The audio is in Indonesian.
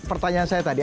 pertanyaan saya tadi